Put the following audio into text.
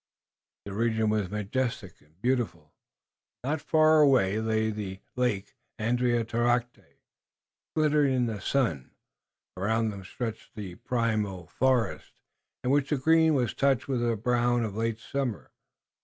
The region was majestic and beautiful. Not far away lay the lake, Andiatarocte, glittering in the sun. Around them stretched the primeval forest, in which the green was touched with the brown of late summer.